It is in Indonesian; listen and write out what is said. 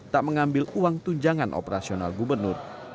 tak mengambil uang tunjangan operasional gubernur